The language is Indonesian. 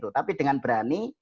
tapi dengan berani